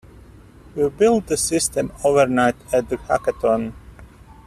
We built the system overnight at the Hackathon.